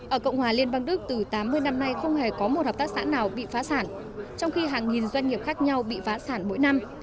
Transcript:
ở cộng hòa liên bang đức từ tám mươi năm nay không hề có một hợp tác xã nào bị phá sản trong khi hàng nghìn doanh nghiệp khác nhau bị vã sản mỗi năm